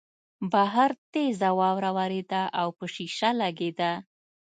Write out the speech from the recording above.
بهر تېزه واوره ورېده او په شیشه لګېده